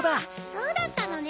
そうだったのね。